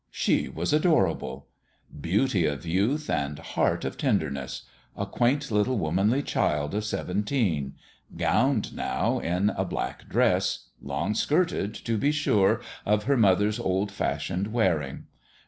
She was adorable. Beauty of youth and heart of tenderness : a quaint little womanly child of seventeen gowned, now, in a black dress, long skirted, to be sure ! of her mother's old fashioned wearing.